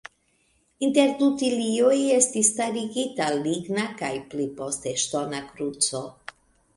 Inter du tilioj estis starigita ligna kaj pli poste ŝtona kruco.